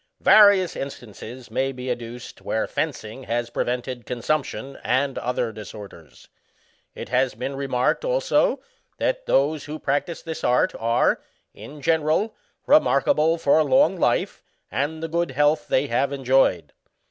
Various in stances may be adduced where fencing has prevented consumption and other disorders. It has been re marked, also, that those who practise this art are, in general, remarkable for long life, and the good health they have enjoyed.